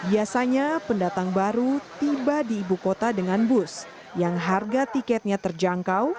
biasanya pendatang baru tiba di ibu kota dengan bus yang harga tiketnya terjangkau